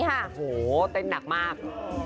โอ้โหเต้นหนักมาก